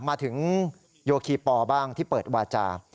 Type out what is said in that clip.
มาถึงโยคีปอบ้างที่เปิดวาจา